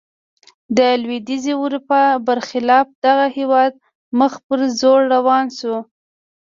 د لوېدیځې اروپا برخلاف دغه هېواد مخ پر ځوړ روان شو.